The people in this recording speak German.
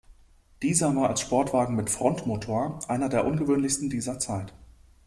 Dieser war als Sportwagen mit Frontmotor einer der ungewöhnlichsten dieser Zeit.